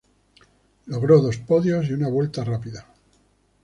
Logró dos podios y una vuelta rápida.